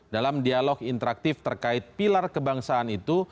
dalam dialog interaktif terkait pilar kebangsaan itu